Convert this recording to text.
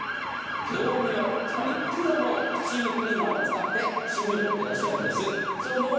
業務用、つまりプロもスチームクリーナーを使ってしみを取ってらっしゃるんです。